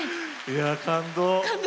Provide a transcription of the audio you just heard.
いや感動。